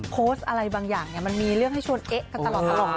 โพสต์อะไรบางอย่างมันมีเรื่องให้ชวนเอ๊ะกันตลอด